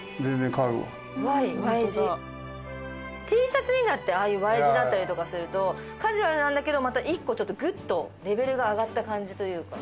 ＴシャツにだってああいうＹ字だったりとかするとカジュアルなんだけどまた１個ちょっとグッとレベルが上がった感じというか。